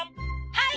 「はい！」